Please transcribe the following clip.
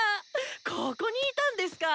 ここにいたんですか。